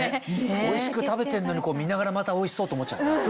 おいしく食べてんのに見ながらまたおいしそうと思っちゃうよね。